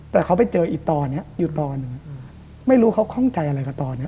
แต่เขาไปเจออีกตอนนี้อยู่ต่อหนึ่งไม่รู้เขาข้องใจอะไรกับตอนนี้